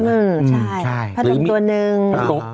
พันธุ์ตัวนึง